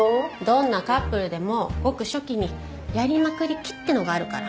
どんなカップルでもごく初期にやりまくり期ってのがあるから。